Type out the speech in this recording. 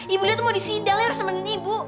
ibu liya mau di sidang harus nemenin ibu